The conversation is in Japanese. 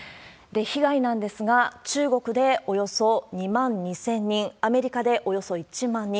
被害なんですが、中国でおよそ２万２０００人、アメリカでおよそ１万人。